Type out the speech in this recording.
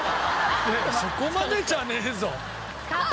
いやいやそこまでじゃねえぞ。